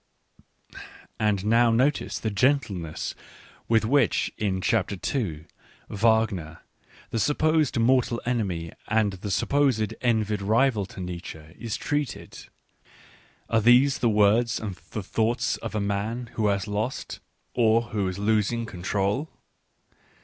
And now notice the gentleness with which, in Chapter II., Wagner — the supposed mortal enemy, the supposed envied rival to Nietzsche — is treated. Are these the words and the thought s of a ma n who has lqsL or wjio is losing, control